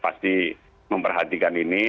pasti memperhatikan ini